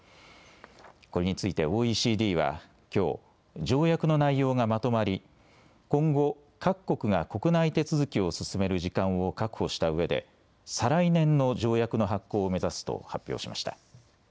これについてＯＥＣＤはきょう条約の内容がまとまり今後、各国が国内手続きを進める時間を確保したうえで再来年の条約の発効を目指すと発表しました。